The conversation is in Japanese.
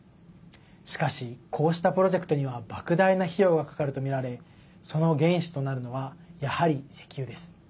しかしこうしたプロジェクトにはばく大な費用が、かかるとみられその原資となるのはやはり石油です。